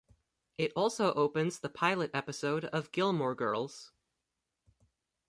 It also opens the "Pilot" episode of "Gilmore Girls".